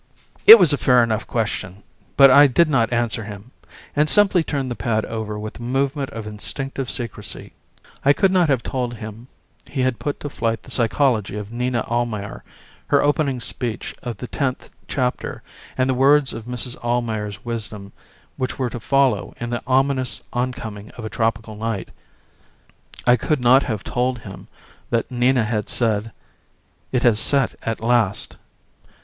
It was a fair enough question, but I did not answer him, and simply turned the pad over with a movement of instinctive secrecy: I could not have told him he had put to flight the psychology of Nina Almayer, her opening speech of the tenth chapter and the words of Mrs. Almayer's wisdom which were to follow in the ominous oncoming of a tropical night. I could not have told him that Nina had said: "It has set at last."